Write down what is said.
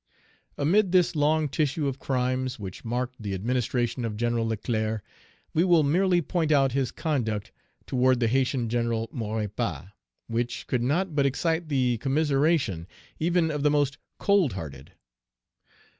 "Amid this long tissue of crimes which marked the administration of General Leclerc, we will merely point out his conduct toward the Haytian General, Maurepas, which could not but excite the commiseration even of the most cold hearted.